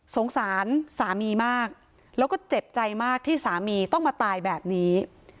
สงสารสามีมากแล้วก็เจ็บใจมากที่สามีต้องมาตายแบบนี้